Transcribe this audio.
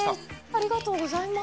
ありがとうございます。